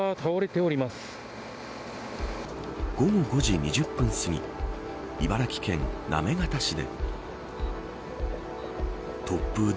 午後５時２０分すぎ茨城県行方市で。